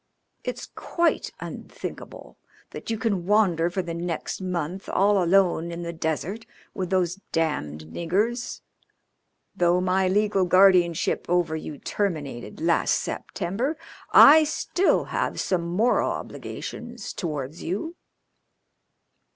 It's quite unthinkable that you can wander for the next month all alone in the desert with those damned niggers. Though my legal guardianship over you terminated last September I still have some moral obligations towards you.